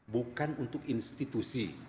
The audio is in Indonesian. bukan untuk institusi